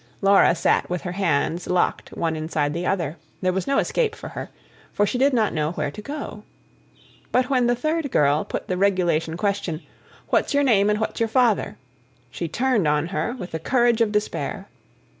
Laura sat with her hands locked one inside the other; there was no escape for her, for she did not know where to go. But when the third girl put the regulation question: "What's your name and what's your father?" she turned on her, with the courage of despair.